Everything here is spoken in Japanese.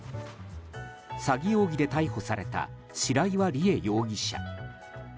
詐欺容疑で逮捕された白岩理慧容疑者。